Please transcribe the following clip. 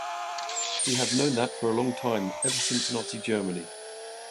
We have known that for a long time, ever since Nazi Germany.